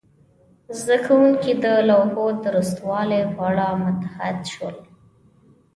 زده کوونکي د لوحو د درستوالي په اړه محتاط شول.